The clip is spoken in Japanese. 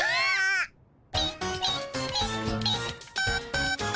ピッピッピッピッ。